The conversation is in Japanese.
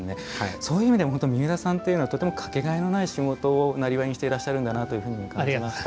そういう意味では本当に三浦さんというのはとてもかけがえのない仕事をなりわいにしているんだなと感じました。